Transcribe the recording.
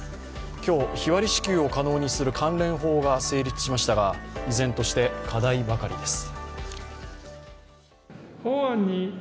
今日、日割り支給を可能にする関連法が成立しましたが依然として、課題ばかりです。